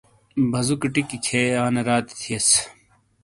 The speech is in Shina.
بازوکی ٹکی کھیئے انی راتی تھیئیس۔